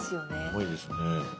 重いですね。